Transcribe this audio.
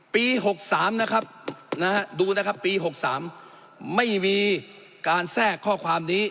ปี๖๓นะครับดูนะครับปี๖๓ไม่มีการแทรกข้อความนี้